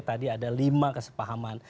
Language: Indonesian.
tadi ada lima kesepahaman